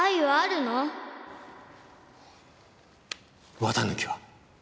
綿貫は？